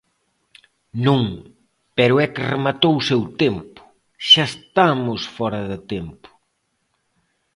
Non, pero é que rematou o seu tempo, xa estamos fóra de tempo.